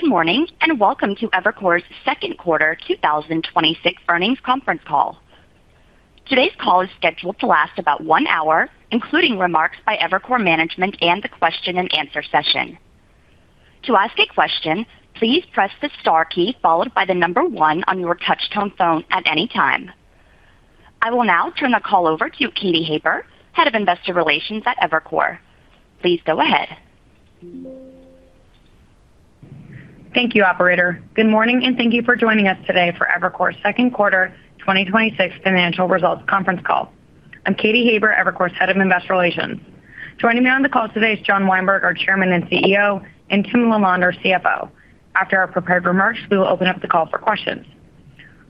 Good morning, welcome to Evercore's second quarter 2026 earnings conference call. Today's call is scheduled to last about one hour, including remarks by Evercore management and the question-and-answer session. To ask a question, please press the star key followed by the number one on your touch-tone phone at any time. I will now turn the call over to Katy Haber, Head of Investor Relations at Evercore. Please go ahead. Thank you, operator. Good morning, thank you for joining us today for Evercore's second quarter 2026 financial results conference call. I'm Katy Haber, Evercore's Head of Investor Relations. Joining me on the call today is John Weinberg, our Chairman and CEO, and Tim LaLonde, our CFO. After our prepared remarks, we will open up the call for questions.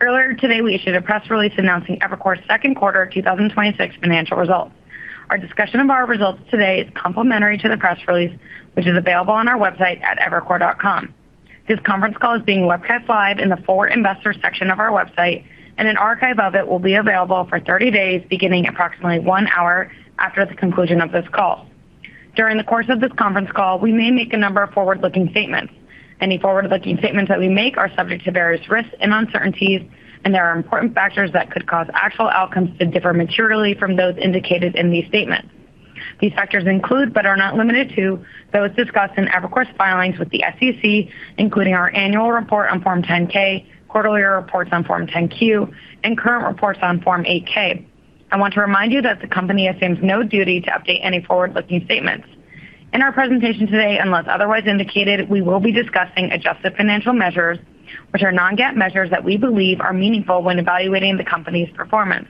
Earlier today, we issued a press release announcing Evercore's second quarter 2026 financial results. Our discussion of our results today is complementary to the press release, which is available on our website at evercore.com. This conference call is being webcast live in the For Investors section of our website, an archive of it will be available for 30 days beginning approximately one hour after the conclusion of this call. During the course of this conference call, we may make a number of forward-looking statements. Any forward-looking statements that we make are subject to various risks and uncertainties, there are important factors that could cause actual outcomes to differ materially from those indicated in these statements. These factors include, but are not limited to, those discussed in Evercore's filings with the SEC, including our annual report on Form 10-K, quarterly reports on Form 10-Q, and current reports on Form 8-K. I want to remind you that the company assumes no duty to update any forward-looking statements. In our presentation today, unless otherwise indicated, we will be discussing adjusted financial measures, which are non-GAAP measures that we believe are meaningful when evaluating the company's performance.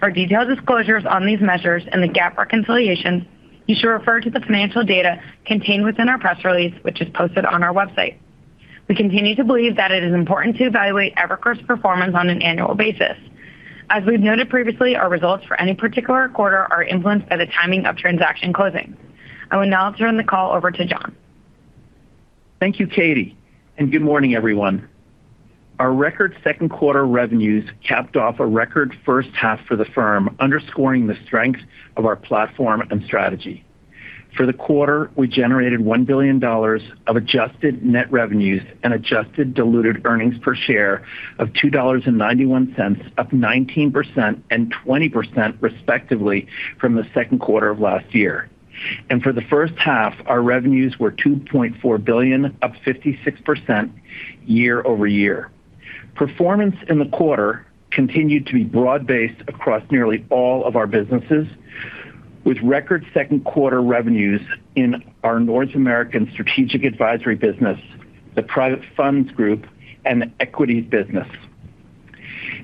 For detailed disclosures on these measures and the GAAP reconciliation, you should refer to the financial data contained within our press release, which is posted on our website. We continue to believe that it is important to evaluate Evercore's performance on an annual basis. As we've noted previously, our results for any particular quarter are influenced by the timing of transaction closings. I will now turn the call over to John. Thank you, Katy. Good morning, everyone. Our record second quarter revenues capped off a record first half for the firm, underscoring the strength of our platform and strategy. For the quarter, we generated $1 billion of adjusted net revenues and adjusted diluted earnings per share of $2.91, up 19% and 20% respectively from the second quarter of last year. For the first half, our revenues were $2.4 billion, up 56% year-over-year. Performance in the quarter continued to be broad-based across nearly all of our businesses with record second quarter revenues in our North American Strategic Advisory business, the Private Funds Group, and the Equities business.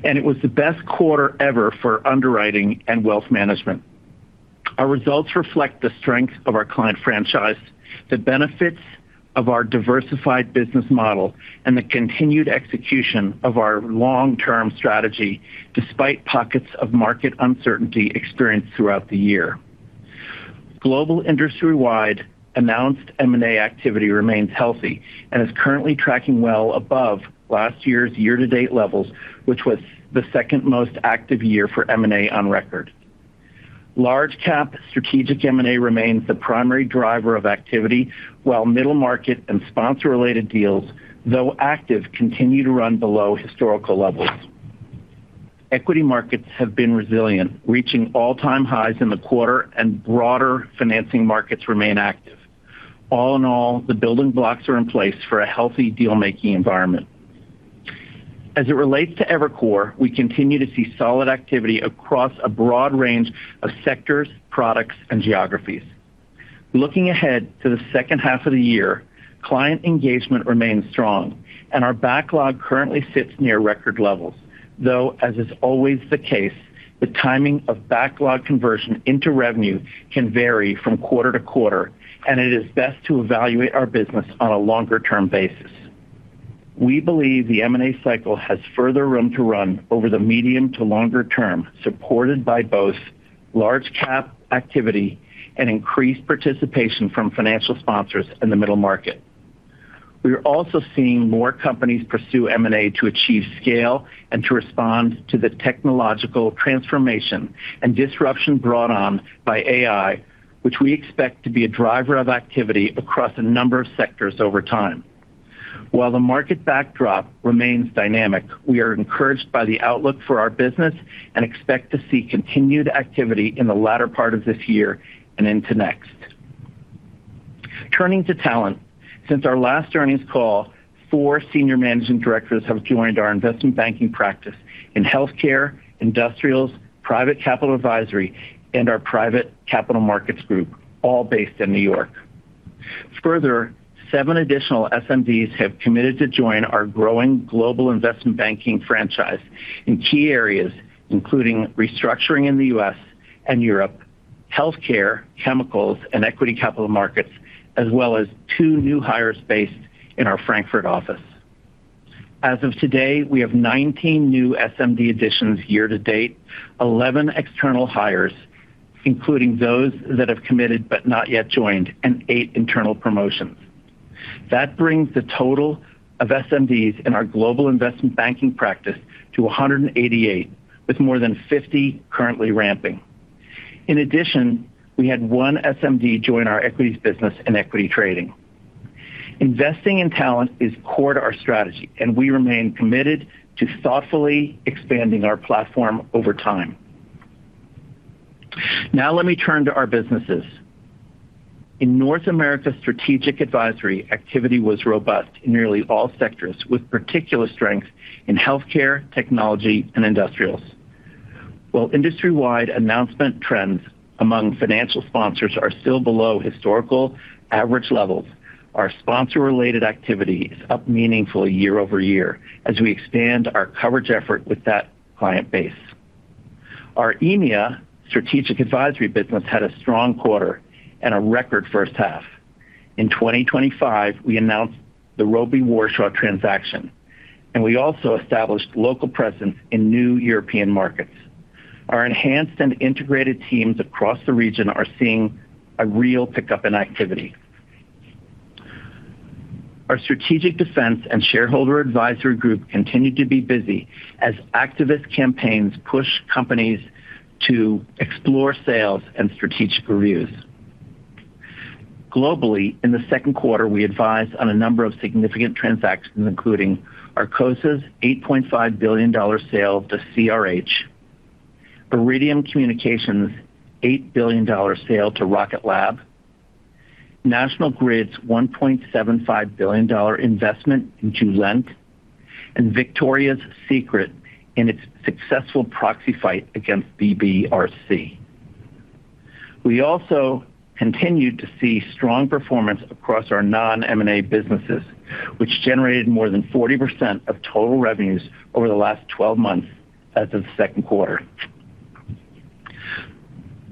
It was the best quarter ever for underwriting and wealth management. Our results reflect the strength of our client franchise, the benefits of our diversified business model, and the continued execution of our long-term strategy despite pockets of market uncertainty experienced throughout the year. Global industry-wide announced M&A activity remains healthy and is currently tracking well above last year's year-to-date levels, which was the second most active year for M&A on record. Large-cap strategic M&A remains the primary driver of activity, while middle market and sponsor-related deals, though active, continue to run below historical levels. Equity markets have been resilient, reaching all-time highs in the quarter, and broader financing markets remain active. All in all, the building blocks are in place for a healthy deal-making environment. As it relates to Evercore, we continue to see solid activity across a broad range of sectors, products, and geographies. Looking ahead to the second half of the year, client engagement remains strong, our backlog currently sits near record levels. Though, as is always the case, the timing of backlog conversion into revenue can vary from quarter to quarter, it is best to evaluate our business on a longer-term basis. We believe the M&A cycle has further room to run over the medium to longer term, supported by both large-cap activity and increased participation from financial sponsors in the middle market. We are also seeing more companies pursue M&A to achieve scale and to respond to the technological transformation and disruption brought on by AI, which we expect to be a driver of activity across a number of sectors over time. While the market backdrop remains dynamic, we are encouraged by the outlook for our business and expect to see continued activity in the latter part of this year and into next. Turning to talent. Since our last earnings call, four Senior Managing Directors have joined our investment banking practice in healthcare, industrials, private capital advisory, and our private capital markets group, all based in New York. Further, seven additional SMDs have committed to join our growing global investment banking franchise in key areas, including restructuring in the U.S. and Europe, healthcare, chemicals, and equity capital markets, as well as two new hires based in our Frankfurt office. As of today, we have 19 new SMD additions year-to-date, 11 external hires, including those that have committed but not yet joined, and eight internal promotions. That brings the total of SMDs in our global investment banking practice to 188, with more than 50 currently ramping. In addition, we had one SMD join our equities business in equity trading. Investing in talent is core to our strategy, and we remain committed to thoughtfully expanding our platform over time. Now let me turn to our businesses. In North America, strategic advisory activity was robust in nearly all sectors, with particular strength in healthcare, technology, and industrials. While industry-wide announcement trends among financial sponsors are still below historical average levels, our sponsor-related activity is up meaningfully year-over-year as we expand our coverage effort with that client base. Our EMEA strategic advisory business had a strong quarter and a record first half. In 2025, we announced the Robey Warshaw transaction. We also established local presence in new European markets. Our enhanced and integrated teams across the region are seeing a real pickup in activity. Our strategic defense and shareholder advisory group continued to be busy as activist campaigns push companies to explore sales and strategic reviews. Globally, in the second quarter, we advised on a number of significant transactions, including Arcosa's $8.5 billion sale to CRH, Iridium Communications' $8 billion sale to Rocket Lab, National Grid's $1.75 billion investment in Joulent, and Victoria's Secret in its successful proxy fight against BBRC. We also continued to see strong performance across our non-M&A businesses, which generated more than 40% of total revenues over the last 12 months as of the second quarter.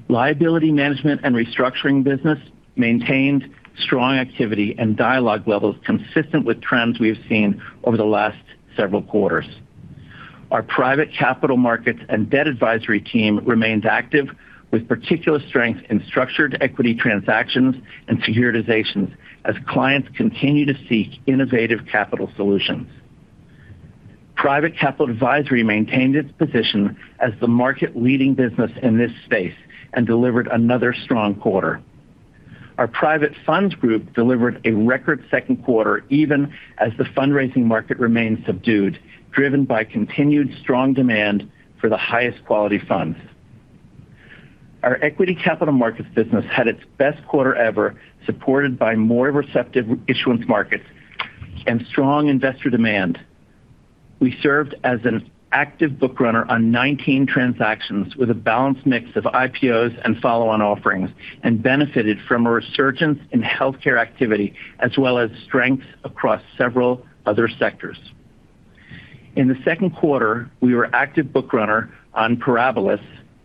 Liability management and restructuring business maintained strong activity and dialogue levels consistent with trends we have seen over the last several quarters. Our private capital markets and debt advisory team remains active, with particular strength in structured equity transactions and securitizations as clients continue to seek innovative capital solutions. Private capital advisory maintained its position as the market-leading business in this space and delivered another strong quarter. Our Private Funds Group delivered a record second quarter, even as the fundraising market remained subdued, driven by continued strong demand for the highest quality funds. Our equity capital markets business had its best quarter ever, supported by more receptive issuance markets and strong investor demand. We served as an active book runner on 19 transactions with a balanced mix of IPOs and follow-on offerings, and benefited from a resurgence in healthcare activity, as well as strength across several other sectors. In the second quarter, we were active book runner on Parabilis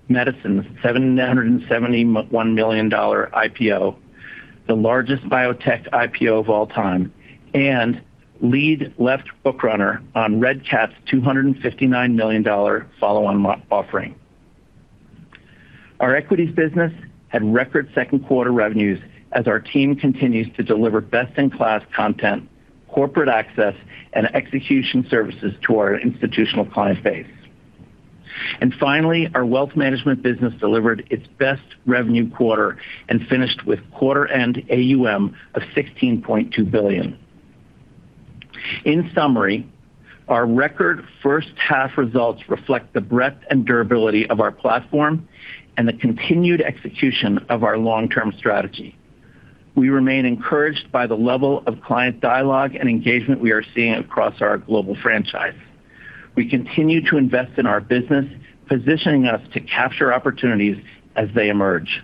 Medicine's $771 million IPO, the largest biotech IPO of all time, and lead left book runner on Red Cat's $259 million follow-on offering. Our equities business had record second quarter revenues as our team continues to deliver best-in-class content, corporate access, and execution services to our institutional client base. Finally, our wealth management business delivered its best revenue quarter and finished with quarter-end AUM of $16.2 billion. In summary, our record first half results reflect the breadth and durability of our platform and the continued execution of our long-term strategy. We remain encouraged by the level of client dialogue and engagement we are seeing across our global franchise. We continue to invest in our business, positioning us to capture opportunities as they emerge.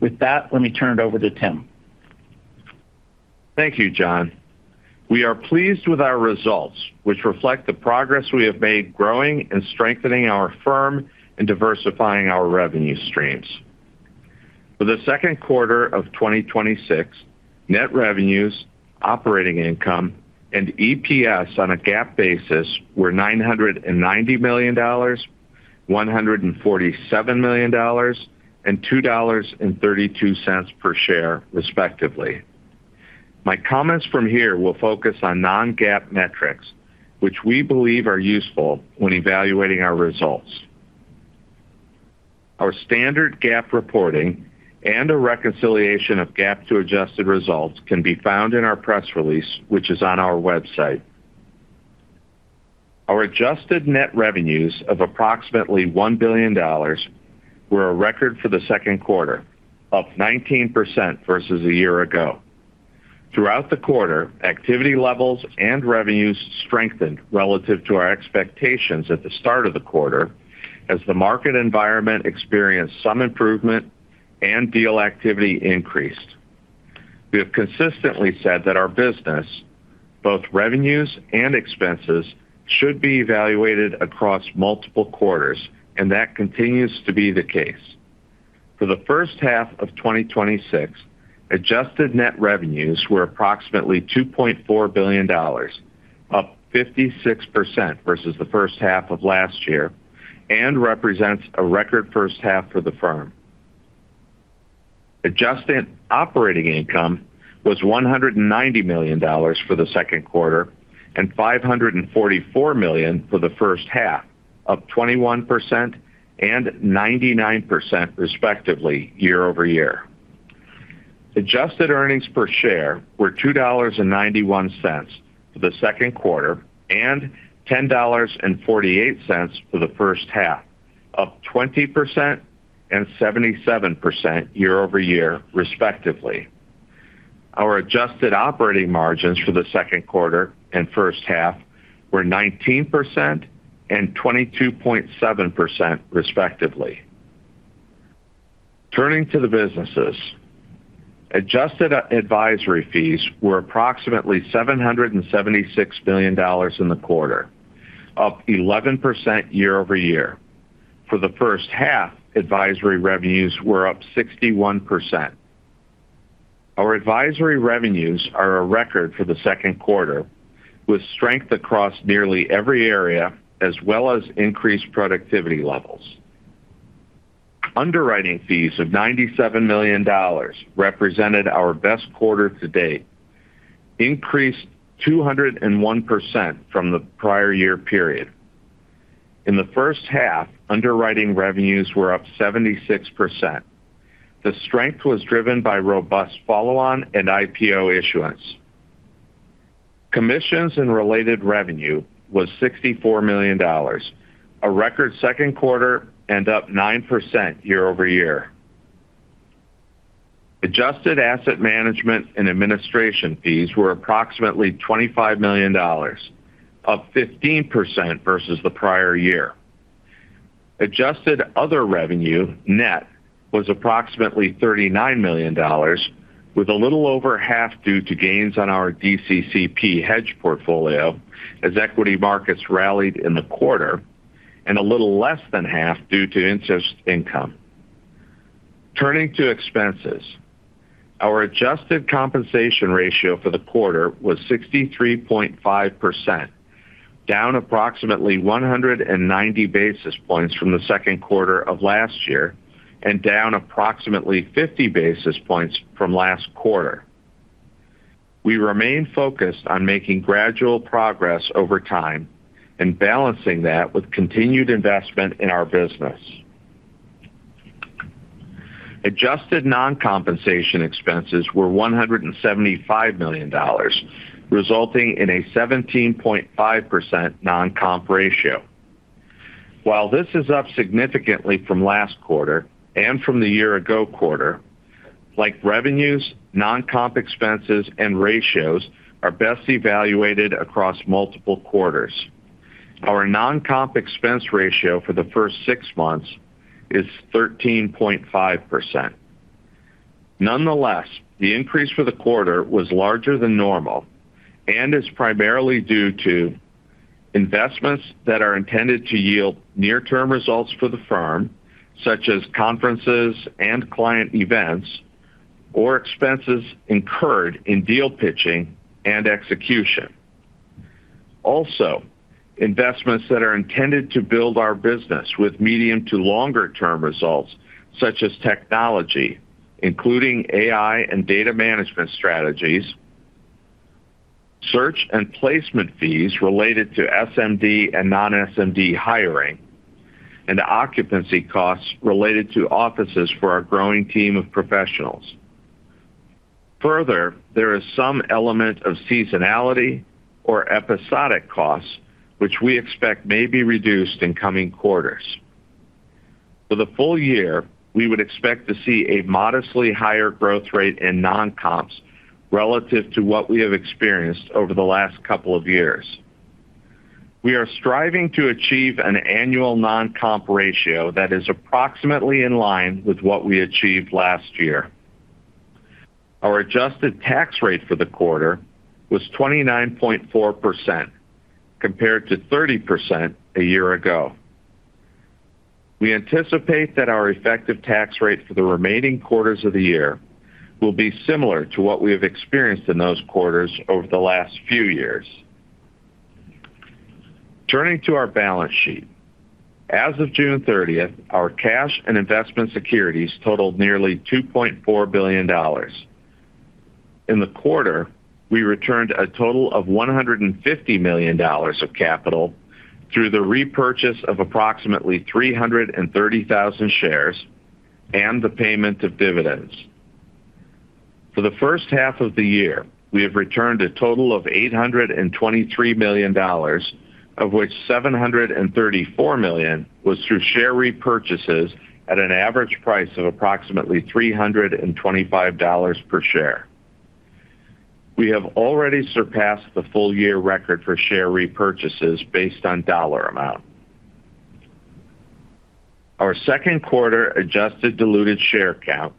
With that, let me turn it over to Tim. Thank you, John. We are pleased with our results, which reflect the progress we have made growing and strengthening our firm and diversifying our revenue streams. For the second quarter of 2026, net revenues, operating income, and EPS on a GAAP basis were $990 million, $147 million, and $2.32 per share, respectively. My comments from here will focus on non-GAAP metrics, which we believe are useful when evaluating our results. Our standard GAAP reporting and a reconciliation of GAAP to adjusted results can be found in our press release, which is on our website. Our adjusted net revenues of approximately $1 billion were a record for the second quarter, up 19% versus a year ago. Throughout the quarter, activity levels and revenues strengthened relative to our expectations at the start of the quarter as the market environment experienced some improvement and deal activity increased. We have consistently said that our business, both revenues and expenses, should be evaluated across multiple quarters, and that continues to be the case. For the first half of 2026, adjusted net revenues were approximately $2.4 billion, up 56% versus the first half of last year and represents a record first half for the firm. Adjusted operating income was $190 million for the second quarter and $544 million for the first half, up 21% and 99%, respectively, year-over-year. Adjusted earnings per share were $2.91 for the second quarter and $10.48 for the first half, up 20% and 77% year-over-year, respectively. Our adjusted operating margins for the second quarter and first half were 19% and 22.7%, respectively. Turning to the businesses. Adjusted advisory fees were approximately $776 million in the quarter, up 11% year-over-year. For the first half, advisory revenues were up 61%. Our advisory revenues are a record for the second quarter, with strength across nearly every area, as well as increased productivity levels. Underwriting fees of $97 million represented our best quarter to date, increased 201% from the prior year period. In the first half, underwriting revenues were up 76%. The strength was driven by robust follow-on and IPO issuance. Commissions and related revenue was $64 million, a record second quarter and up 9% year-over-year. Adjusted asset management and administration fees were approximately $25 million, up 15% versus the prior year. Adjusted other revenue net was approximately $39 million, with a little over half due to gains on our DCCP hedge portfolio as equity markets rallied in the quarter, and a little less than half due to interest income. Turning to expenses. Our adjusted compensation ratio for the quarter was 63.5%, down approximately 190 basis points from the second quarter of last year and down approximately 50 basis points from last quarter. We remain focused on making gradual progress over time and balancing that with continued investment in our business. Adjusted non-compensation expenses were $175 million, resulting in a 17.5% non-comp ratio. This is up significantly from last quarter and from the year ago quarter, like revenues, non-comp expenses and ratios are best evaluated across multiple quarters. Our non-comp expense ratio for the first six months is 13.5%. The increase for the quarter was larger than normal and is primarily due to investments that are intended to yield near-term results for the firm, such as conferences and client events, or expenses incurred in deal pitching and execution. investments that are intended to build our business with medium to longer term results, such as technology, including AI and data management strategies, search and placement fees related to SMD and non-SMD hiring, and occupancy costs related to offices for our growing team of professionals. Further, there is some element of seasonality or episodic costs, which we expect may be reduced in coming quarters. For the full year, we would expect to see a modestly higher growth rate in non-comps relative to what we have experienced over the last couple of years. We are striving to achieve an annual non-comp ratio that is approximately in line with what we achieved last year. Our adjusted tax rate for the quarter was 29.4%, compared to 30% a year ago. We anticipate that our effective tax rate for the remaining quarters of the year will be similar to what we have experienced in those quarters over the last few years. Turning to our balance sheet. As of June 30th, our cash and investment securities totaled nearly $2.4 billion. In the quarter, we returned a total of $150 million of capital through the repurchase of approximately 330,000 shares and the payment of dividends. For the first half of the year, we have returned a total of $823 million, of which $734 million was through share repurchases at an average price of approximately $325 per share. We have already surpassed the full-year record for share repurchases based on dollar amount. Our second quarter adjusted diluted share count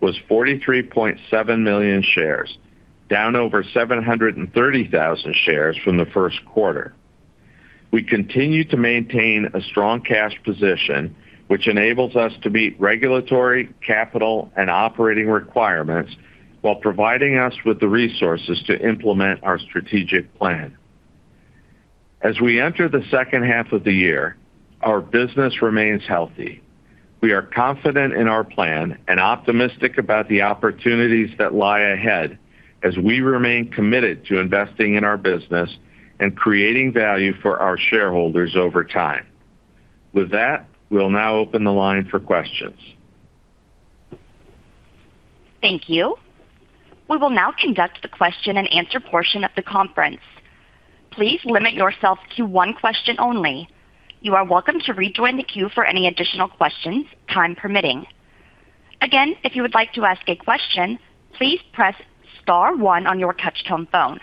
was 43.7 million shares, down over 730,000 shares from the first quarter. We continue to maintain a strong cash position, which enables us to meet regulatory, capital, and operating requirements while providing us with the resources to implement our strategic plan. As we enter the second half of the year, our business remains healthy. We are confident in our plan and optimistic about the opportunities that lie ahead as we remain committed to investing in our business and creating value for our shareholders over time. With that, we'll now open the line for questions. Thank you. We will now conduct the question-and-answer portion of the conference. Please limit yourself to one question only. You are welcome to rejoin the queue for any additional questions, time permitting. Again, if you would like to ask a question, please press star one on your touch-tone phone.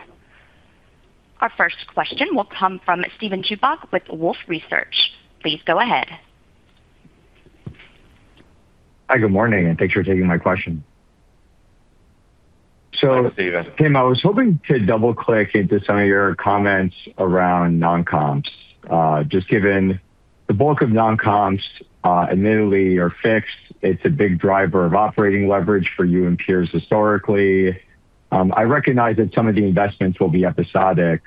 Our first question will come from Steven Chubak with Wolfe Research. Please go ahead. Hi, good morning, and thanks for taking my question. Hi, Steven. Tim, I was hoping to double-click into some of your comments around non-comps. Just given the bulk of non-comps admittedly are fixed, it's a big driver of operating leverage for you and peers historically. I recognize that some of the investments will be episodic,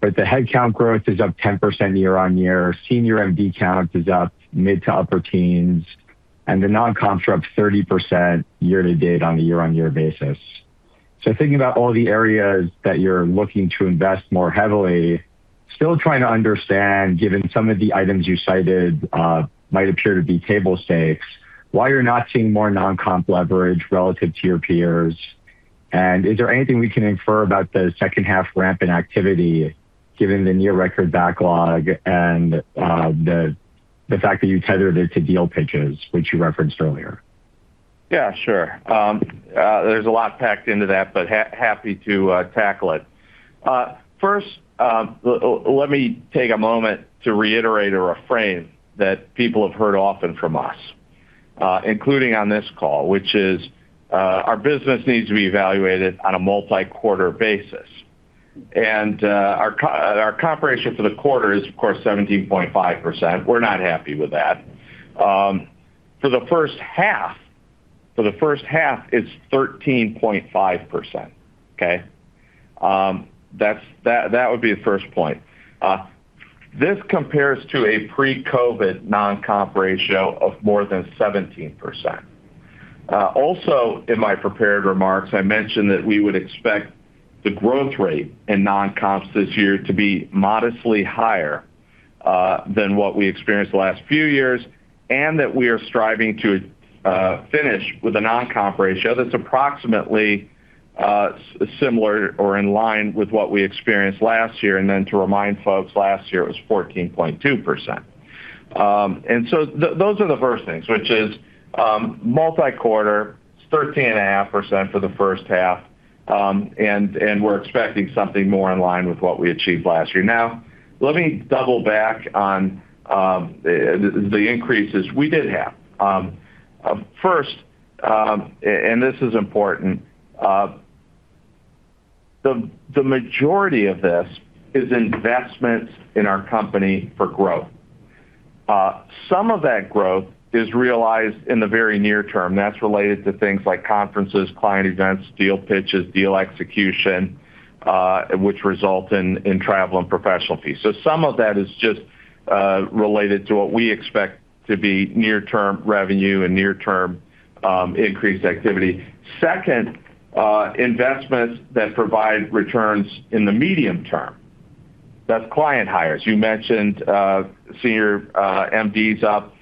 but the headcount growth is up 10% year-on-year. Senior MD count is up mid to upper teens, and the non-comp's up 30% year to date on a year-on-year basis. Thinking about all the areas that you're looking to invest more heavily, still trying to understand, given some of the items you cited might appear to be table stakes, why you're not seeing more non-comp leverage relative to your peers. Is there anything we can infer about the second half ramp in activity given the near record backlog and the fact that you tethered it to deal pitches, which you referenced earlier? Yeah, sure. There's a lot packed into that, but happy to tackle it. First, let me take a moment to reiterate or reframe that people have heard often from us, including on this call, which is our business needs to be evaluated on a multi-quarter basis. Our comp ratio for the quarter is, of course, 17.5%. We're not happy with that. For the first half, it's 13.5%. Okay? That would be the first point. This compares to a pre-COVID non-comp ratio of more than 17%. Also in my prepared remarks, I mentioned that we would expect the growth rate in non-comps this year to be modestly higher than what we experienced the last few years, and that we are striving to finish with a non-comp ratio that's approximately similar or in line with what we experienced last year. Then to remind folks, last year it was 14.2%. Those are the first things, which is multi-quarter, 13.5% for the first half, and we're expecting something more in line with what we achieved last year. Let me double back on the increases we did have. First, this is important, the majority of this is investments in our company for growth. Some of that growth is realized in the very near term. That's related to things like conferences, client events, deal pitches, deal execution, which result in travel and professional fees. Some of that is just related to what we expect to be near-term revenue and near-term increased activity. Second, investments that provide returns in the medium term. That's client hires. You mentioned Senior MD is up.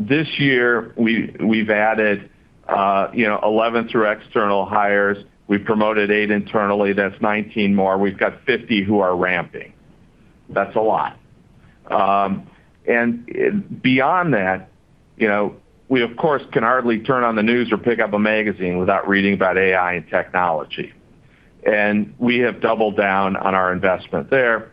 This year we've added 11 through external hires. We've promoted eight internally. That's 19 more. We've got 50 who are ramping. That's a lot. Beyond that, we of course, can hardly turn on the news or pick up a magazine without reading about AI and technology. We have doubled down on our investment there.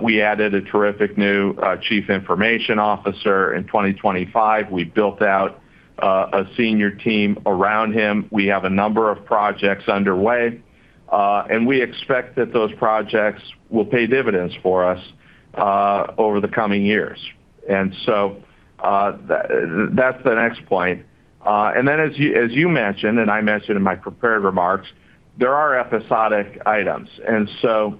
We added a terrific new Chief Information Officer in 2025. We built out a senior team around him. We have a number of projects underway. We expect that those projects will pay dividends for us over the coming years. That's the next point. As you mentioned, and I mentioned in my prepared remarks, there are episodic items or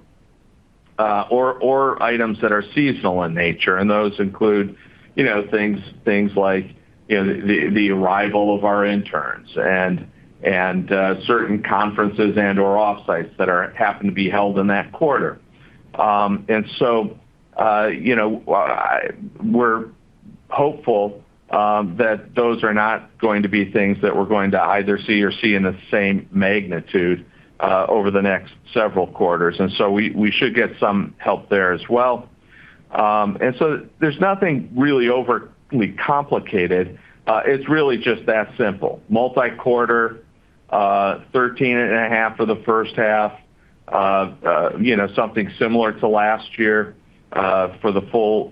items that are seasonal in nature, and those include things like the arrival of our interns and certain conferences and/or off-sites that happen to be held in that quarter. We're hopeful that those are not going to be things that we're going to either see or see in the same magnitude over the next several quarters. We should get some help there as well. There's nothing really overly complicated. It's really just that simple. Multi-quarter, 13.5% for the first half. Something similar to last year for the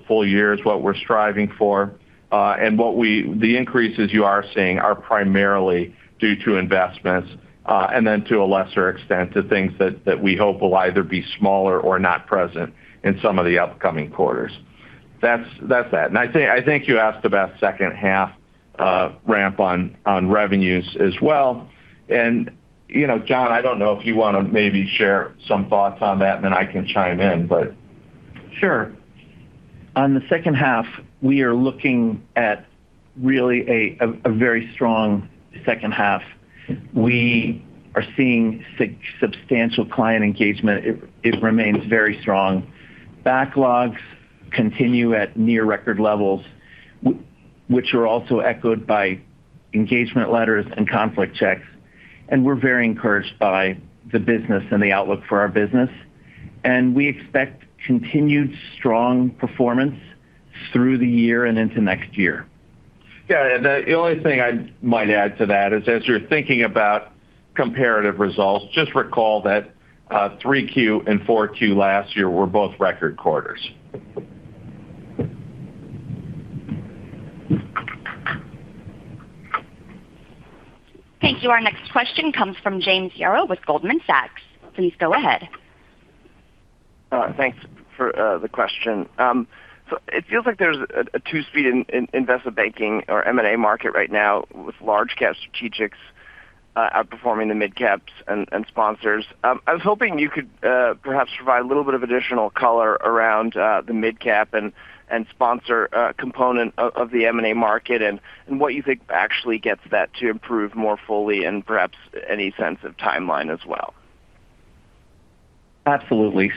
full year is what we're striving for. The increases you are seeing are primarily due to investments. To a lesser extent, to things that we hope will either be smaller or not present in some of the upcoming quarters. That's that. I think you asked about second half ramp on revenues as well. John, I don't know if you want to maybe share some thoughts on that and then I can chime in. Sure. On the second half, we are looking at really a very strong second half. We are seeing substantial client engagement. It remains very strong. Backlogs continue at near record levels, which are also echoed by engagement letters and conflict checks. We're very encouraged by the business and the outlook for our business. We expect continued strong performance through the year and into next year. The only thing I might add to that is as you're thinking about comparative results, just recall that Q3 and Q4 last year were both record quarters. Thank you. Our next question comes from James Yaro with Goldman Sachs. Please go ahead. Thanks for the question. It feels like there's a two-speed in investment banking or M&A market right now with large cap strategics outperforming the mid caps and sponsors. I was hoping you could perhaps provide a little bit of additional color around the mid cap and sponsor component of the M&A market and what you think actually gets that to improve more fully and perhaps any sense of timeline as well. Absolutely.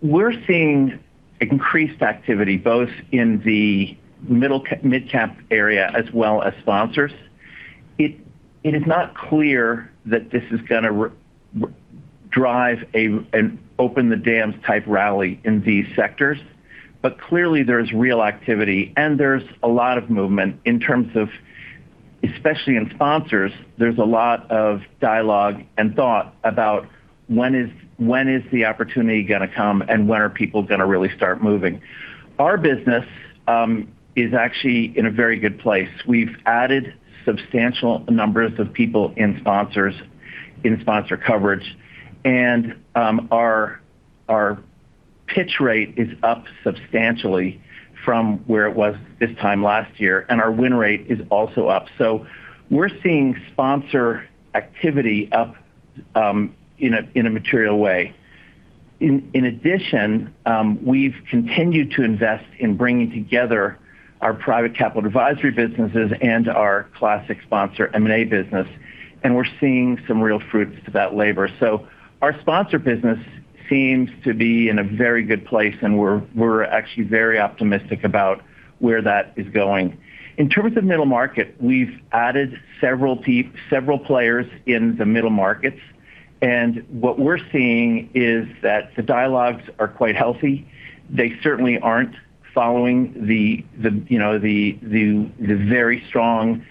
We're seeing increased activity both in the mid cap area as well as sponsors. It is not clear that this is going to drive an open the dams type rally in these sectors. Clearly there's real activity and there's a lot of movement in terms of, especially in sponsors, there's a lot of dialogue and thought about when is the opportunity going to come and when are people going to really start moving. Our business is actually in a very good place. We've added substantial numbers of people in sponsor coverage, and our pitch rate is up substantially from where it was this time last year, and our win rate is also up. We're seeing sponsor activity up in a material way. In addition, we've continued to invest in bringing together our private capital advisory businesses and our classic sponsor M&A business. We're seeing some real fruits to that labor. Our sponsor business seems to be in a very good place. We're actually very optimistic about where that is going. In terms of middle market, we've added several players in the middle markets. What we're seeing is that the dialogues are quite healthy. They certainly aren't following the very strong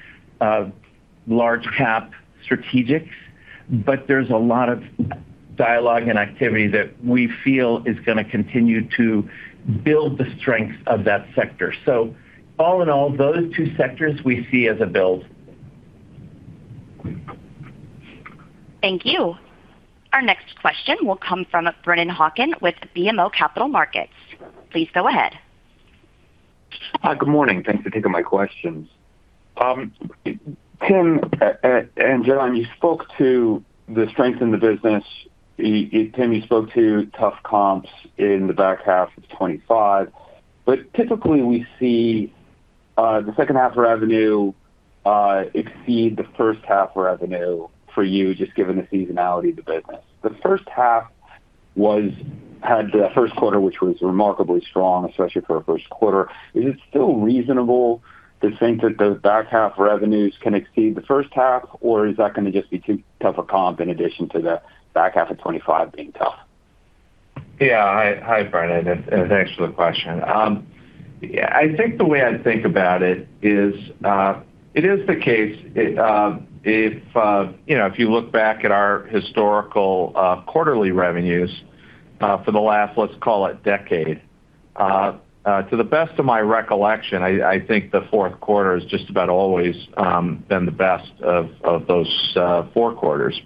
large cap strategics, but there's a lot of dialogue and activity that we feel is going to continue to build the strength of that sector. All in all, those two sectors we see as a build. Thank you. Our next question will come from Brennan Hawken with BMO Capital Markets. Please go ahead. Good morning. Thanks for taking my questions. Tim and John, you spoke to the strength in the business. Tim, you spoke to tough comps in the back half of 2025. Typically, we see the second half revenue exceed the first half revenue for you, just given the seasonality of the business. The first half had the first quarter, which was remarkably strong, especially for a first quarter. Is it still reasonable to think that the back half revenues can exceed the first half, or is that going to just be too tough a comp in addition to the back half of 2025 being tough? Hi, Brennan, and thanks for the question. I think the way I'd think about it is, it is the case if you look back at our historical quarterly revenues for the last, let's call it decade. To the best of my recollection, I think the fourth quarter has just about always been the best of those four quarters.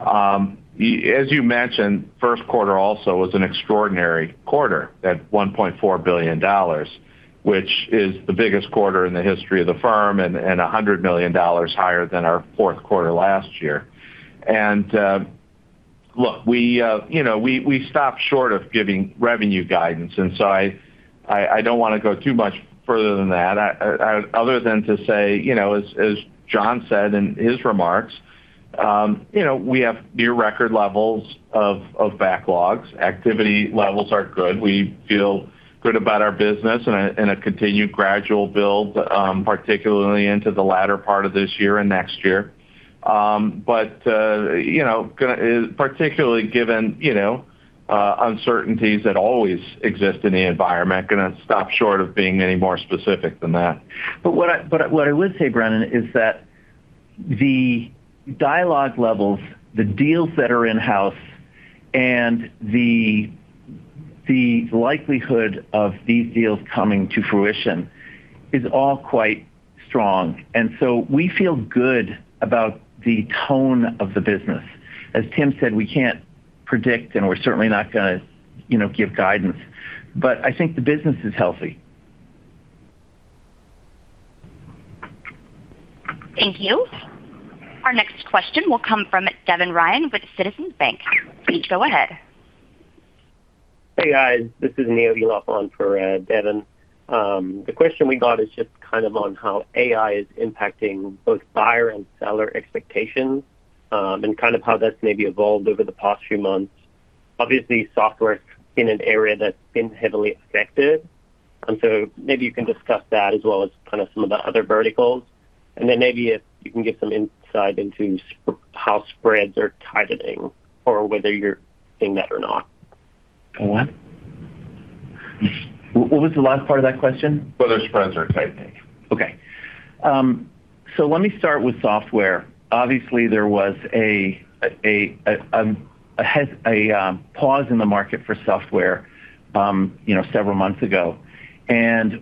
As you mentioned, first quarter also was an extraordinary quarter at $1.4 billion, which is the biggest quarter in the history of the firm and $100 million higher than our fourth quarter last year. Look, we stopped short of giving revenue guidance. I don't want to go too much further than that other than to say, as John said in his remarks, we have near record levels of backlogs. Activity levels are good. We feel good about our business and a continued gradual build, particularly into the latter part of this year and next year. Particularly given uncertainties that always exist in the environment, going to stop short of being any more specific than that. What I would say, Brennan, is that the dialogue levels, the deals that are in-house, and the likelihood of these deals coming to fruition is all quite strong. We feel good about the tone of the business. As Tim said, we can't predict, and we're certainly not going to give guidance. I think the business is healthy. Thank you. Our next question will come from Devin Ryan with Citizens Bank. Please go ahead. Hey, guys. This is Neil Iliff on for Devin. The question we got is just on how AI is impacting both buyer and seller expectations, and how that's maybe evolved over the past few months. Obviously, software's in an area that's been heavily affected, maybe you can discuss that as well as some of the other verticals. Maybe if you can give some insight into how spreads are tightening or whether you're seeing that or not. A what? What was the last part of that question? Whether spreads are tightening. Let me start with software. Obviously, there was a pause in the market for software several months ago.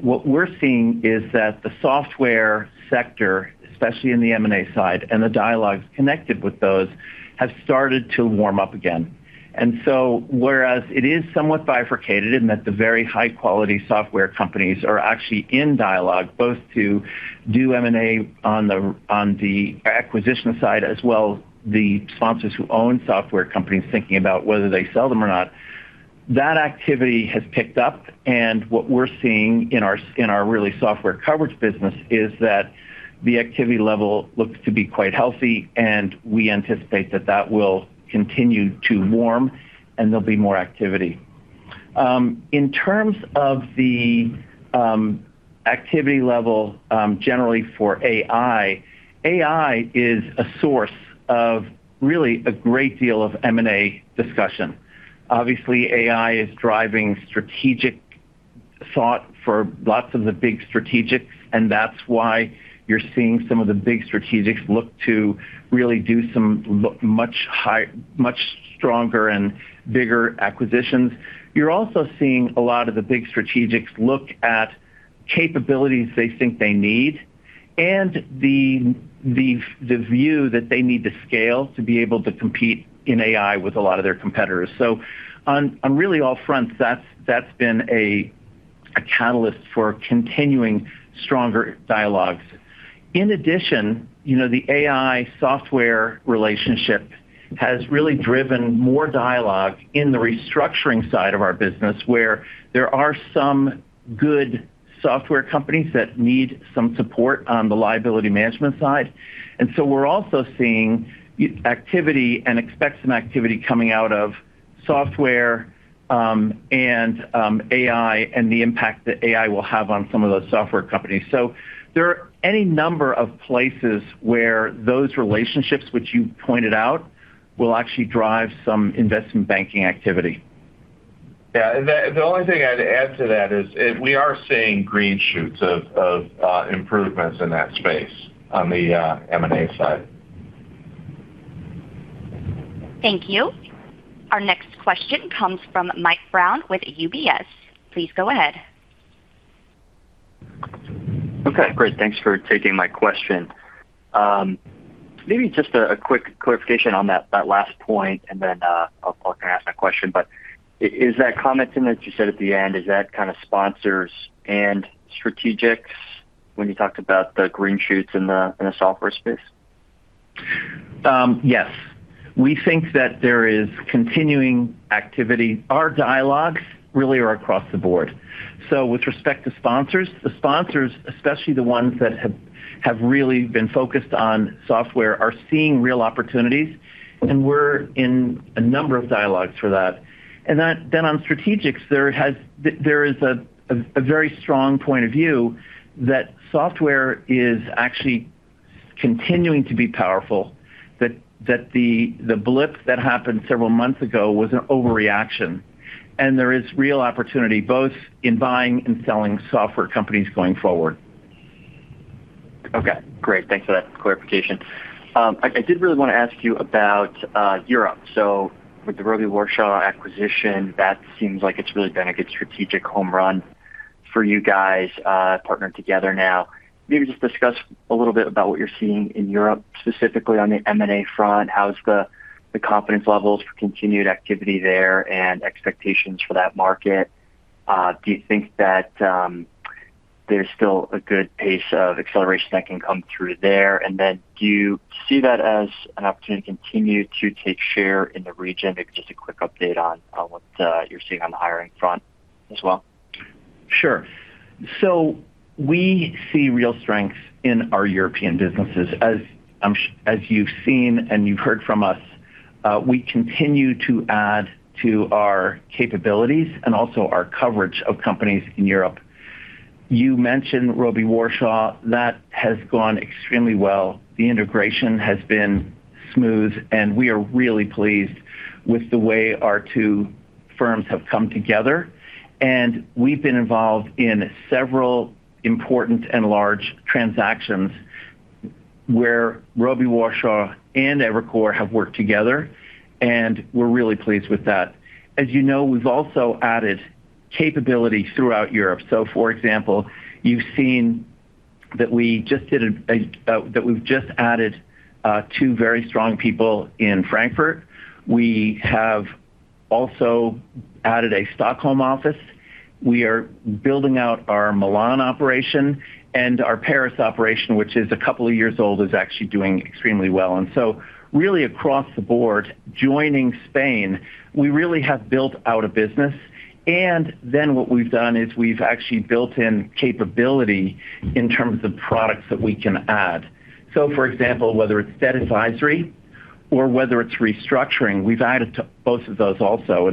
What we're seeing is that the software sector, especially in the M&A side, and the dialogues connected with those, has started to warm up again. Whereas it is somewhat bifurcated in that the very high-quality software companies are actually in dialogue both to do M&A on the acquisition side as well the sponsors who own software companies thinking about whether they sell them or not. That activity has picked up, and what we're seeing in our really software coverage business is that the activity level looks to be quite healthy, and we anticipate that that will continue to warm, and there'll be more activity. In terms of the activity level generally for AI is a source of really a great deal of M&A discussion. Obviously, AI is driving strategic thought for lots of the big strategic, and that's why you're seeing some of the big strategics look to really do some much stronger and bigger acquisitions. You're also seeing a lot of the big strategics look at capabilities they think they need, and the view that they need to scale to be able to compete in AI with a lot of their competitors. On really all fronts, that's been a catalyst for continuing stronger dialogues. In addition, the AI-software relationship has really driven more dialogue in the restructuring side of our business, where there are some good software companies that need some support on the liability management side. We're also seeing activity and expect some activity coming out of software, and AI, and the impact that AI will have on some of those software companies. there are any number of places where those relationships which you pointed out will actually drive some investment banking activity. Yeah. The only thing I'd add to that is we are seeing green shoots of improvements in that space on the M&A side. Thank you. Our next question comes from Mike Brown with UBS. Please go ahead. Great. Thanks for taking my question. Maybe just a quick clarification on that last point, and then I'll go ahead and ask that question. Is that comment in, as you said at the end, is that kind of sponsors and strategics when you talked about the green shoots in the software space? Yes. We think that there is continuing activity. Our dialogues really are across the board. With respect to sponsors, the sponsors, especially the ones that have really been focused on software, are seeing real opportunities, and we're in a number of dialogues for that. On strategics, there is a very strong point of view that software is actually continuing to be powerful, that the blip that happened several months ago was an overreaction, and there is real opportunity both in buying and selling software companies going forward. Okay, great. Thanks for that clarification. I did really want to ask you about Europe. With the Robey Warshaw acquisition, that seems like it's really been a good strategic home run for you guys, partnered together now. Maybe just discuss a little bit about what you're seeing in Europe, specifically on the M&A front. How is the confidence levels for continued activity there and expectations for that market? Do you think that there's still a good pace of acceleration that can come through there? Do you see that as an opportunity to continue to take share in the region? Maybe just a quick update on what you're seeing on the hiring front as well. Sure. We see real strength in our European businesses. As you've seen and you've heard from us, we continue to add to our capabilities and also our coverage of companies in Europe. You mentioned Robey Warshaw. That has gone extremely well. The integration has been smooth, and we are really pleased with the way our two firms have come together. We've been involved in several important and large transactions where Robey Warshaw and Evercore have worked together, and we're really pleased with that. As you know, we've also added capability throughout Europe. For example, you've seen That we've just added two very strong people in Frankfurt. We have also added a Stockholm office. We are building out our Milan operation and our Paris operation, which is a couple of years old, is actually doing extremely well. Really across the board, joining Spain, we really have built out a business. What we've done is we've actually built in capability in terms of products that we can add. For example, whether it's debt advisory or whether it's restructuring, we've added to both of those also.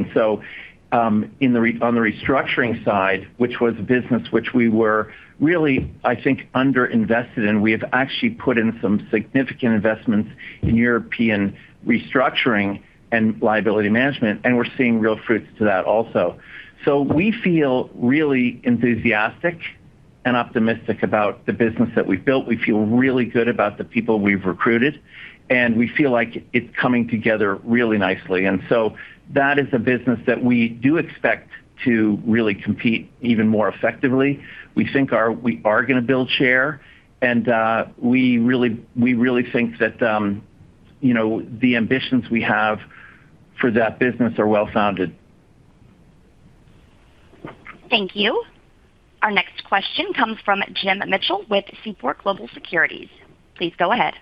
On the restructuring side, which was a business which we were really, I think, under-invested in, we have actually put in some significant investments in European restructuring and liability management, and we're seeing real fruits to that also. We feel really enthusiastic and optimistic about the business that we've built. We feel really good about the people we've recruited, and we feel like it's coming together really nicely. That is a business that we do expect to really compete even more effectively. We think we are going to build share and we really think that the ambitions we have for that business are well-founded. Thank you. Our next question comes from Jim Mitchell with Seaport Global Securities. Please go ahead.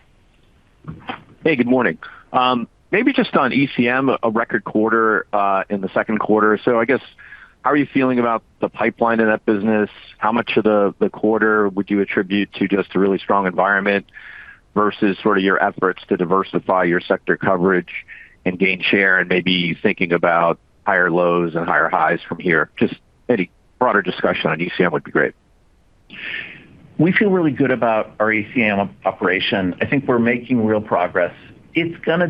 Hey, good morning. Maybe just on ECM, a record quarter in the second quarter. I guess how are you feeling about the pipeline in that business? How much of the quarter would you attribute to just a really strong environment versus your efforts to diversify your sector coverage and gain share and maybe thinking about higher lows and higher highs from here? Just any broader discussion on ECM would be great. We feel really good about our ECM operation. I think we're making real progress. It's going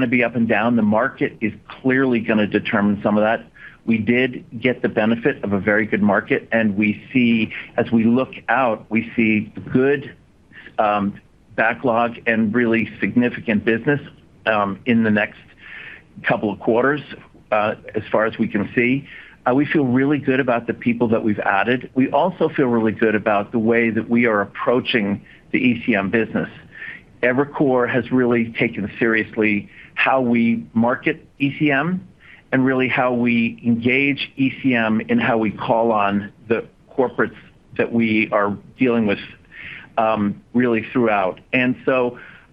to be up and down. The market is clearly going to determine some of that. We did get the benefit of a very good market, and as we look out, we see good backlog and really significant business in the next couple of quarters, as far as we can see. We feel really good about the people that we've added. We also feel really good about the way that we are approaching the ECM business. Evercore has really taken seriously how we market ECM and really how we engage ECM in how we call on the corporates that we are dealing with really throughout.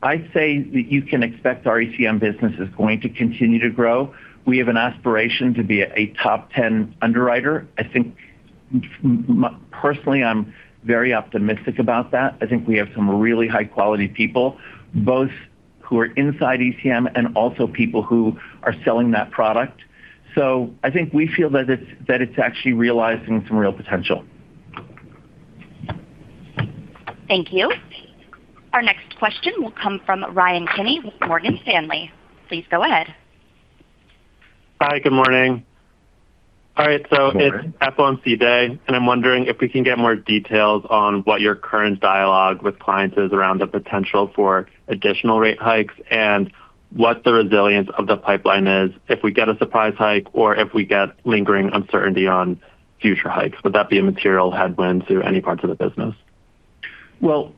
I'd say that you can expect our ECM business is going to continue to grow. We have an aspiration to be a top 10 underwriter. Personally, I'm very optimistic about that. I think we have some really high-quality people, both who are inside ECM and also people who are selling that product. I think we feel that it's actually realizing some real potential. Thank you. Our next question will come from Ryan Kenny with Morgan Stanley. Please go ahead. Hi, good morning. All right. Good morning. It's FOMC day, and I'm wondering if we can get more details on what your current dialogue with clients is around the potential for additional rate hikes and what the resilience of the pipeline is if we get a surprise hike or if we get lingering uncertainty on future hikes. Would that be a material headwind to any parts of the business? Well,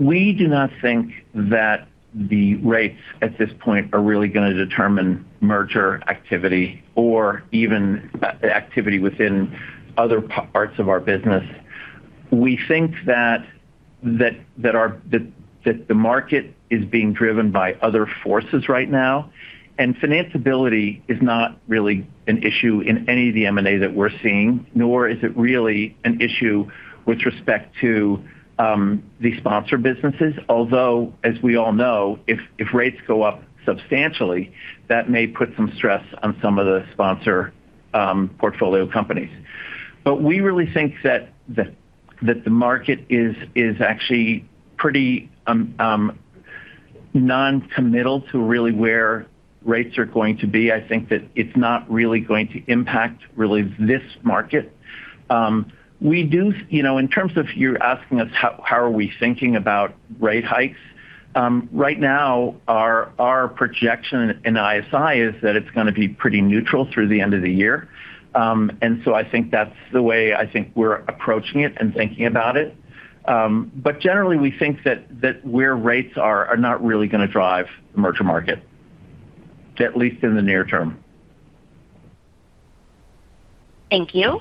we do not think that the rates at this point are really going to determine merger activity or even activity within other parts of our business. We think that the market is being driven by other forces right now, and financability is not really an issue in any of the M&A that we're seeing, nor is it really an issue with respect to the sponsor businesses. Although, as we all know, if rates go up substantially, that may put some stress on some of the sponsor portfolio companies. We really think that the market is actually pretty non-committal to really where rates are going to be. I think that it's not really going to impact this market. In terms of you asking us how are we thinking about rate hikes, right now our projection in ISI is that it's going to be pretty neutral through the end of the year. I think that's the way I think we're approaching it and thinking about it. Generally, we think that where rates are not really going to drive the merger market, at least in the near term. Thank you.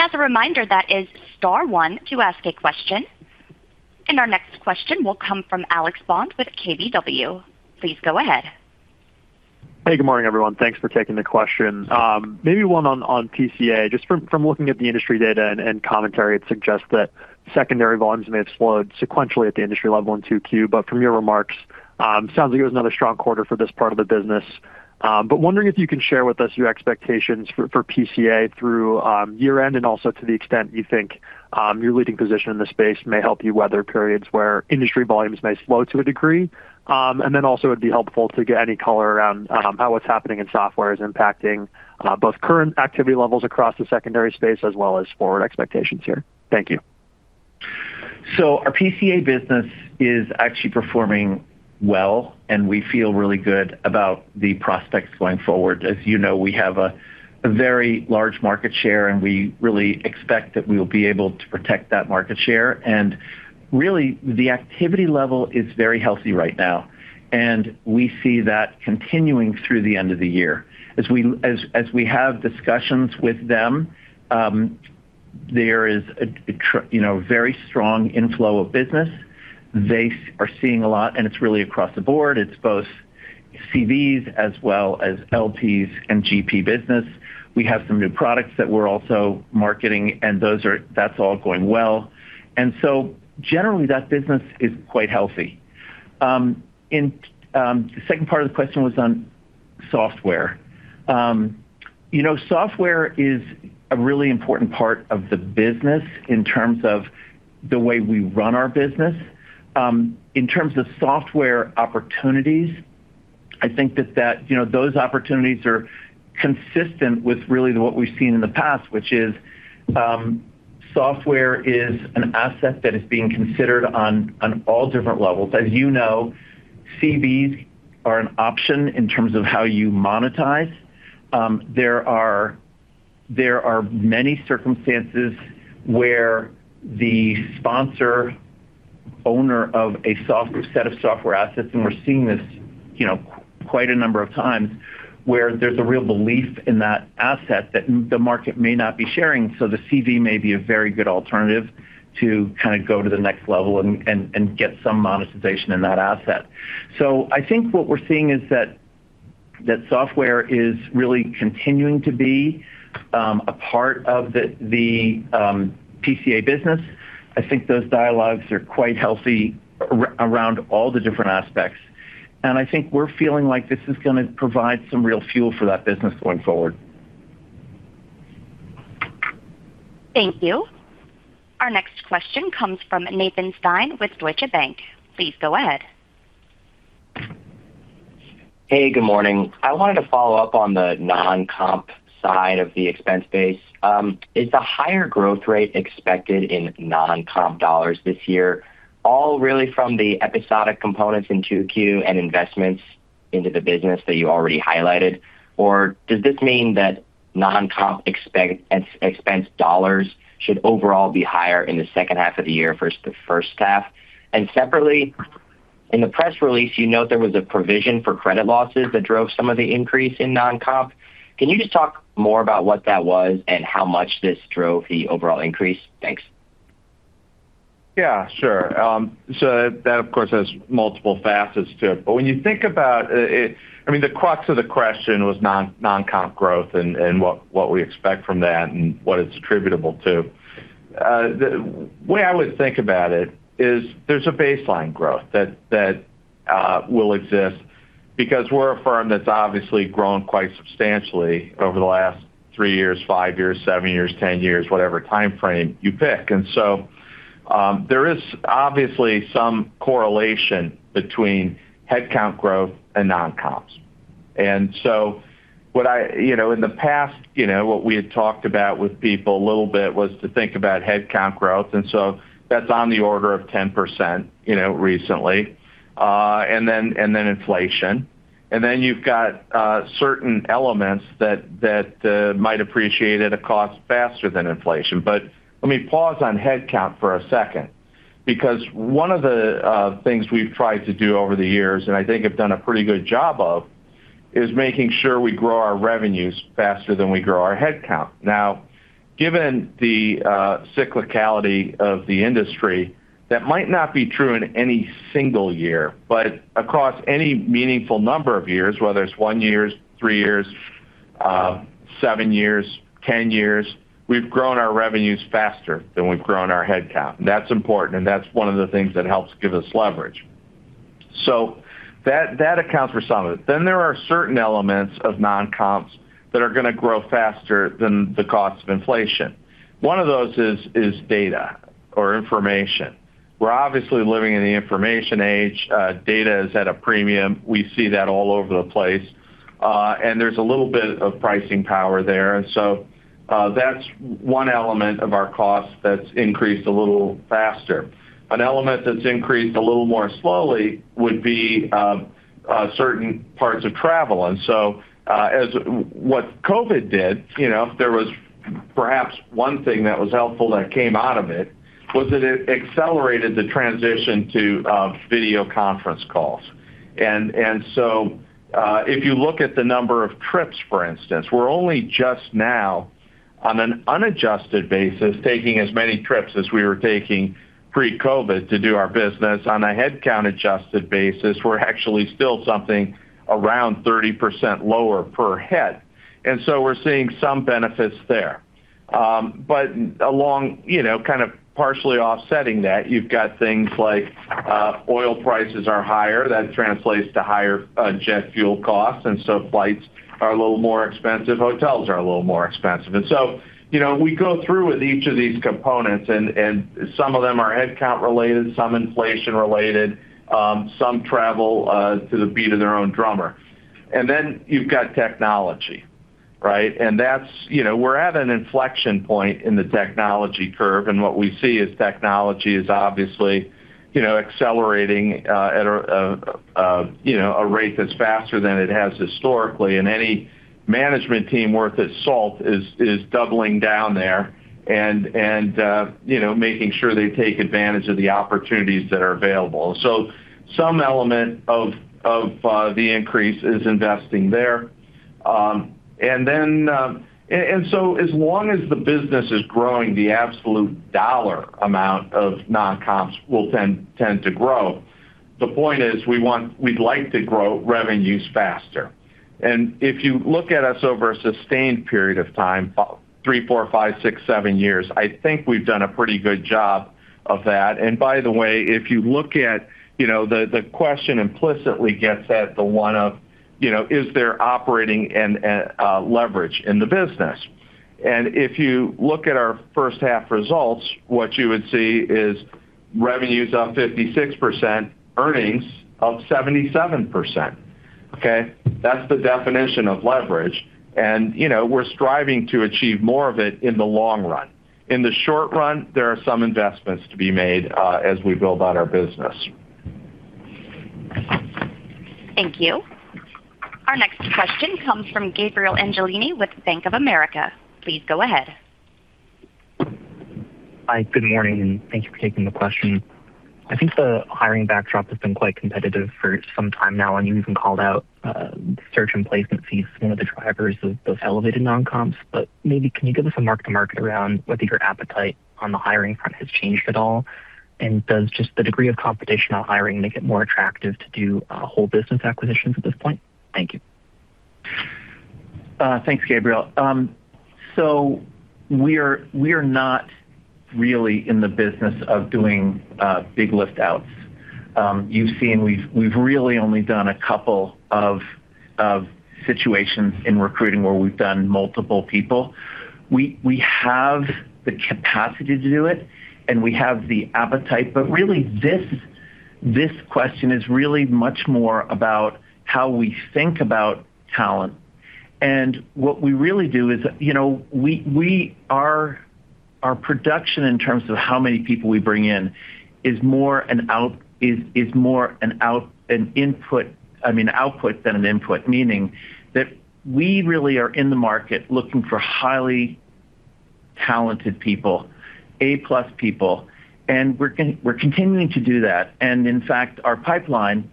As a reminder, that is star one to ask a question. Our next question will come from Alex Bond with KBW. Please go ahead. Hey, good morning, everyone. Thanks for taking the question. Maybe one on PCA. Just from looking at the industry data and commentary, it suggests that secondary volumes may have slowed sequentially at the industry level in 2Q. From your remarks, sounds like it was another strong quarter for this part of the business. Wondering if you can share with us your expectations for PCA through year-end, and also to the extent you think your leading position in the space may help you weather periods where industry volumes may slow to a degree. It'd be helpful to get any color around how what's happening in software is impacting both current activity levels across the secondary space as well as forward expectations here. Thank you. Our PCA business is actually performing well, and we feel really good about the prospects going forward. As you know, we have a very large market share, and we really expect that we will be able to protect that market share. The activity level is very healthy right now, and we see that continuing through the end of the year. As we have discussions with them, there is a very strong inflow of business. They are seeing a lot, and it's really across the board. It's both CVs as well as LPs and GP business. We have some new products that we're also marketing, and that's all going well. Generally, that business is quite healthy. The second part of the question was on software. Software is a really important part of the business in terms of the way we run our business. In terms of software opportunities, I think that those opportunities are consistent with really what we've seen in the past, which is software is an asset that is being considered on all different levels. As you know, CVs are an option in terms of how you monetize. There are many circumstances where the sponsor, owner of a set of software assets, and we're seeing this quite a number of times, where there's a real belief in that asset that the market may not be sharing. The CV may be a very good alternative to go to the next level and get some monetization in that asset. I think what we're seeing is that software is really continuing to be a part of the PCA business. I think those dialogues are quite healthy around all the different aspects, and I think we're feeling like this is going to provide some real fuel for that business going forward. Thank you. Our next question comes from Nathan Stein with Deutsche Bank. Please go ahead. Hey, good morning. I wanted to follow up on the non-comp side of the expense base. Is the higher growth rate expected in non-comp dollars this year all really from the episodic components in 2Q and investments into the business that you already highlighted, or does this mean that non-comp expense dollars should overall be higher in the second half of the year versus the first half? Separately, in the press release, you note there was a provision for credit losses that drove some of the increase in non-comp. Can you just talk more about what that was and how much this drove the overall increase? Thanks. Yeah, sure. That, of course, has multiple facets to it. When you think about it, the crux of the question was non-comp growth and what we expect from that and what it's attributable to. The way I would think about it is there's a baseline growth that will exist because we're a firm that's obviously grown quite substantially over the last three years, five years, seven years, 10 years, whatever timeframe you pick. There is obviously some correlation between headcount growth and non-comps. In the past, what we had talked about with people a little bit was to think about headcount growth, and so that's on the order of 10% recently, and then inflation. Then you've got certain elements that might appreciate at a cost faster than inflation. Let me pause on headcount for a second, because one of the things we've tried to do over the years, and I think have done a pretty good job of, is making sure we grow our revenues faster than we grow our headcount. Now, given the cyclicality of the industry, that might not be true in any single year, but across any meaningful number of years, whether it's one year, three years, seven years, 10 years, we've grown our revenues faster than we've grown our headcount, and that's important, and that's one of the things that helps give us leverage. That accounts for some of it. There are certain elements of non-comps that are going to grow faster than the cost of inflation. One of those is data or information. We're obviously living in the information age. Data is at a premium. We see that all over the place, there's a little bit of pricing power there. That's one element of our cost that's increased a little faster. An element that's increased a little more slowly would be certain parts of travel. What COVID did, if there was perhaps one thing that was helpful that came out of it, was that it accelerated the transition to video conference calls. If you look at the number of trips, for instance, we're only just now, on an unadjusted basis, taking as many trips as we were taking pre-COVID to do our business. On a headcount-adjusted basis, we're actually still something around 30% lower per head. We're seeing some benefits there. Partially offsetting that, you've got things like oil prices are higher. That translates to higher jet fuel costs, so flights are a little more expensive. Hotels are a little more expensive. We go through with each of these components, and some of them are headcount related, some inflation related, some travel to the beat of their own drummer. Then you've got technology. Right? We're at an inflection point in the technology curve, and what we see is technology is obviously accelerating at a rate that's faster than it has historically. Any management team worth its salt is doubling down there and making sure they take advantage of the opportunities that are available. Some element of the increase is investing there. As long as the business is growing, the absolute dollar amount of non-comps will then tend to grow. The point is, we'd like to grow revenues faster. If you look at us over a sustained period of time, three, four, five, six, seven years, I think we've done a pretty good job of that. By the way, if you look at the question implicitly gets at the one of, is there operating leverage in the business? If you look at our first half results, what you would see is revenues up 56%, earnings up 77%. Okay? That's the definition of leverage. We're striving to achieve more of it in the long run. In the short run, there are some investments to be made as we build out our business. Thank you. Our next question comes from Gabriel Angelini with Bank of America. Please go ahead. Hi. Good morning, and thank you for taking the question. I think the hiring backdrop has been quite competitive for some time now, and you even called out search and placement fees, one of the drivers of those elevated non-comps. Maybe can you give us a mark-to-market around whether your appetite on the hiring front has changed at all? Does just the degree of competition on hiring make it more attractive to do whole business acquisitions at this point? Thank you. Thanks, Gabriel. We are not really in the business of doing big lift-outs. You've seen we've really only done a couple of situations in recruiting where we've done multiple people. We have the capacity to do it, and we have the appetite, but really this question is really much more about how we think about talent. What we really do is our production in terms of how many people we bring in is more an output than an input, meaning that we really are in the market looking for highly talented people, A-plus people, and we're continuing to do that. In fact, our pipeline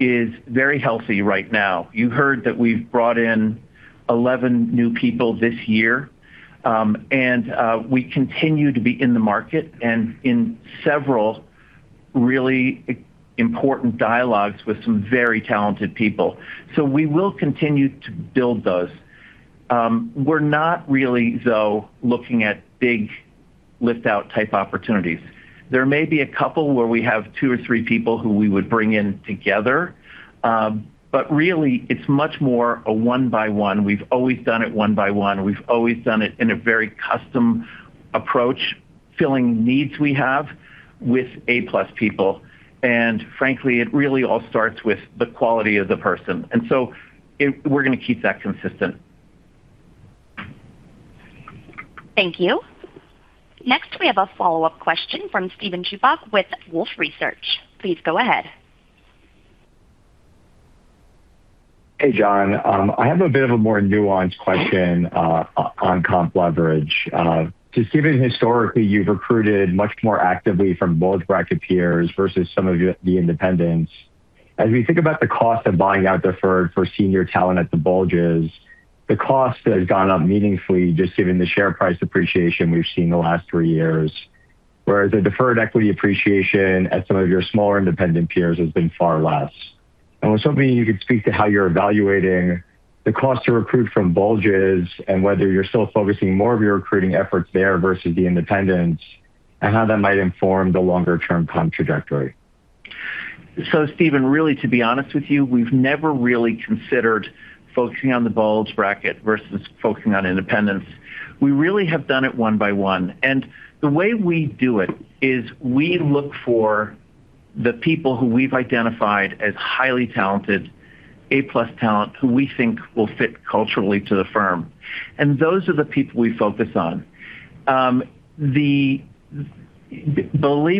is very healthy right now. You heard that we've brought in 11 new people this year, and we continue to be in the market and in several really important dialogues with some very talented people. We will continue to build those. We're not really, though, looking at big lift-out type opportunities. There may be a couple where we have two or three people who we would bring in together. Really, it's much more a one by one. We've always done it one by one. We've always done it in a very custom approach, filling needs we have with A-plus people. Frankly, it really all starts with the quality of the person. We're going to keep that consistent. Thank you. Next, we have a follow-up question from Steven Chubak with Wolfe Research. Please go ahead. Hey, John. I have a bit of a more nuanced question on comp leverage. Just given historically, you've recruited much more actively from bulge bracket peers versus some of the independents. As we think about the cost of buying out deferred for senior talent at the bulges, the cost has gone up meaningfully just given the share price appreciation we've seen the last three years, whereas the deferred equity appreciation at some of your smaller independent peers has been far less. I was hoping you could speak to how you're evaluating the cost to recruit from bulges and whether you're still focusing more of your recruiting efforts there versus the independents, and how that might inform the longer-term comp trajectory. Steven, really, to be honest with you, we've never really considered focusing on the bulge bracket versus focusing on independents. We really have done it one by one. The way we do it is we look for the people who we've identified as highly talented, A-plus talent, who we think will fit culturally to the firm. Those are the people we focus on. Believe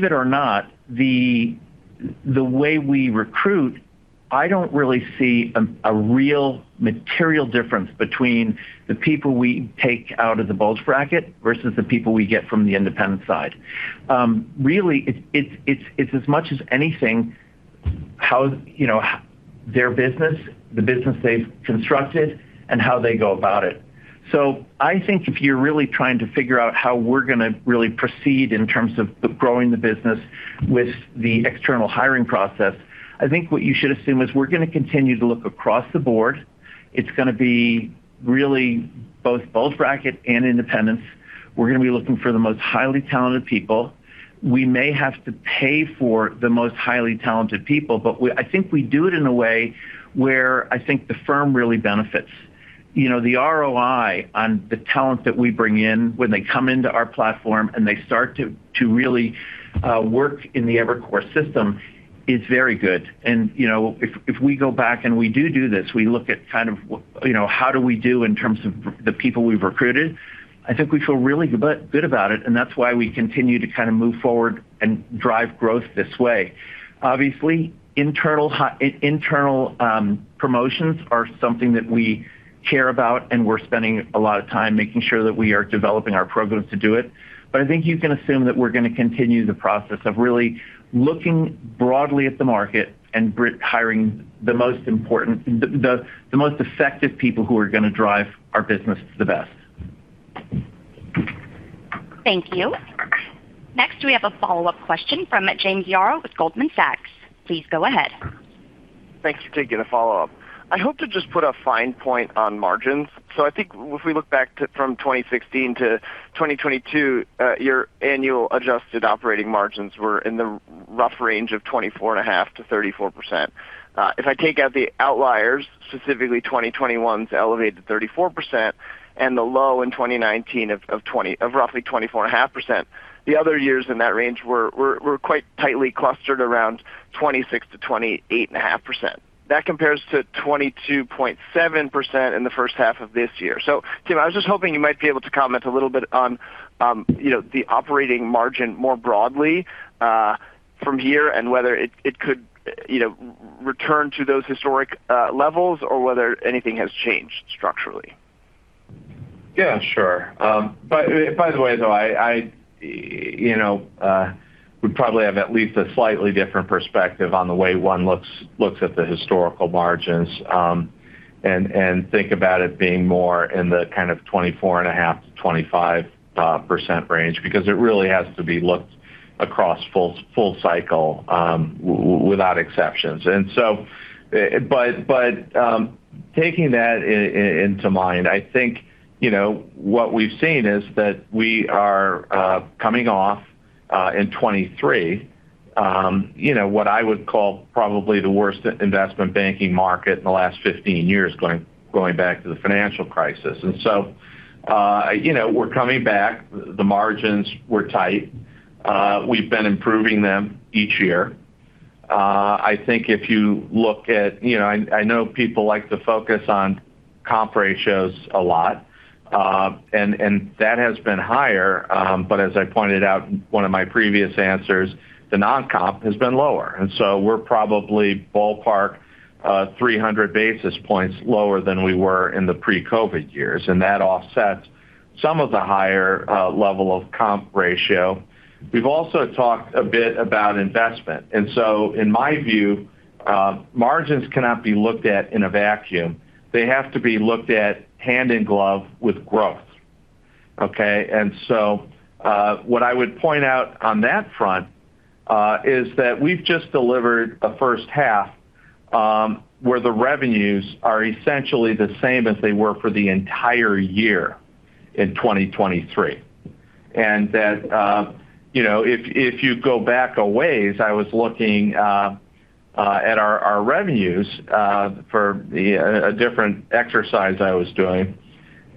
it or not, the way we recruit, I don't really see a real material difference between the people we take out of the bulge bracket versus the people we get from the independent side. Really, it's as much as anything, their business, the business they've constructed, and how they go about it. I think if you're really trying to figure out how we're going to really proceed in terms of growing the business with the external hiring process, I think what you should assume is we're going to continue to look across the board. It's going to be really both bulge bracket and independents. We're going to be looking for the most highly talented people. We may have to pay for the most highly talented people, but I think we do it in a way where I think the firm really benefits. The ROI on the talent that we bring in when they come into our platform and they start to really work in the Evercore system. It's very good. If we go back and we do this, we look at how do we do in terms of the people we've recruited, I think we feel really good about it, and that's why we continue to move forward and drive growth this way. Obviously, internal promotions are something that we care about, and we're spending a lot of time making sure that we are developing our programs to do it. I think you can assume that we're going to continue the process of really looking broadly at the market and hiring the most effective people who are going to drive our business the best. Thank you. Next we have a follow-up question from James Yaro with Goldman Sachs. Please go ahead. Thank you. Taking a follow-up. I hope to just put a fine point on margins. I think if we look back from 2016 to 2022, your annual adjusted operating margins were in the rough range of 24.5%-34%. If I take out the outliers, specifically 2021's elevated 34%, and the low in 2019 of roughly 24.5%, the other years in that range were quite tightly clustered around 26%-28.5%. That compares to 22.7% in the first half of this year. Tim, I was just hoping you might be able to comment a little bit on the operating margin more broadly from here and whether it could return to those historic levels or whether anything has changed structurally. Yeah, sure. By the way, though, we probably have at least a slightly different perspective on the way one looks at the historical margins, and think about it being more in the kind of 24.5%-25% range because it really has to be looked across full cycle without exceptions. Taking that into mind, I think what we've seen is that we are coming off in 2023, what I would call probably the worst investment banking market in the last 15 years, going back to the financial crisis. We're coming back. The margins were tight. We've been improving them each year. I know people like to focus on comp ratios a lot, and that has been higher, but as I pointed out in one of my previous answers, the non-comp has been lower. We're probably ballpark 300 basis points lower than we were in the pre-COVID years, and that offsets some of the higher level of comp ratio. We've also talked a bit about investment, in my view, margins cannot be looked at in a vacuum. They have to be looked at hand in glove with growth. Okay? What I would point out on that front, is that we've just delivered a first half where the revenues are essentially the same as they were for the entire year in 2023. That if you go back a ways, I was looking at our revenues for a different exercise I was doing,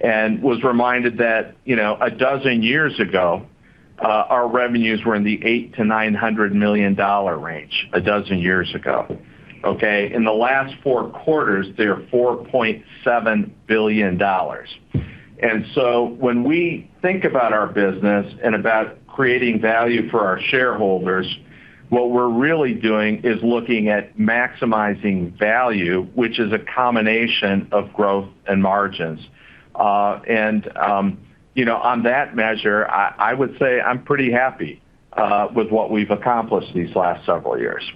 and was reminded that a dozen years ago, our revenues were in the $800 million-$900 million range a dozen years ago. Okay? In the last four quarters, they're $4.7 billion. When we think about our business and about creating value for our shareholders, what we're really doing is looking at maximizing value, which is a combination of growth and margins. On that measure, I would say I'm pretty happy with what we've accomplished these last several years.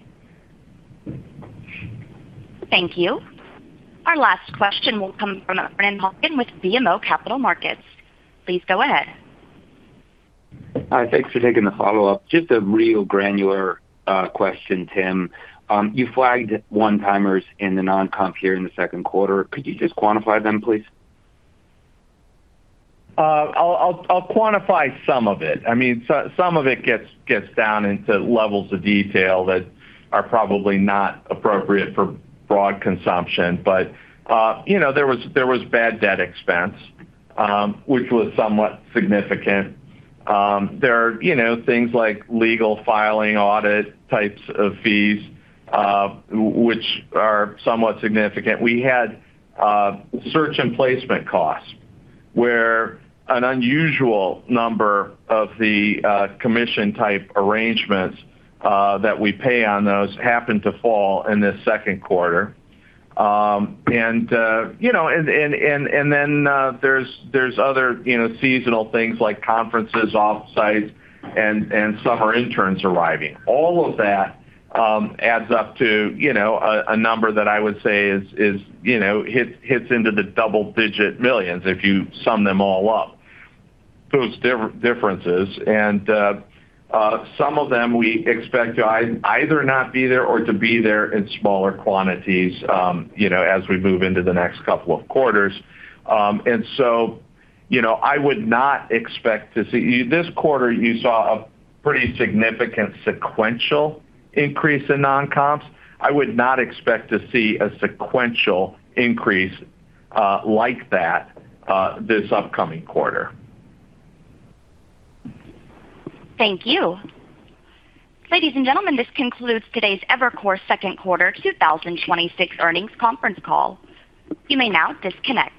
Thank you. Our last question will come from Brennan Hawken with BMO Capital Markets. Please go ahead. Hi, thanks for taking the follow-up. Just a real granular question, Tim. You flagged one-timers in the non-comp here in the second quarter. Could you just quantify them, please? I'll quantify some of it. Some of it gets down into levels of detail that are probably not appropriate for broad consumption. There was bad debt expense, which was somewhat significant. There are things like legal filing, audit types of fees, which are somewhat significant. We had search and placement costs where an unusual number of the commission type arrangements that we pay on those happened to fall in the second quarter. Then there's other seasonal things like conferences, offsite, and summer interns arriving. All of that adds up to a number that I would say hits into the double-digit millions if you sum them all up. Those differences, some of them we expect to either not be there or to be there in smaller quantities as we move into the next couple of quarters. This quarter, you saw a pretty significant sequential increase in non-comps. I would not expect to see a sequential increase like that this upcoming quarter. Thank you. Ladies and gentlemen, this concludes today's Evercore second quarter 2026 earnings conference call. You may now disconnect.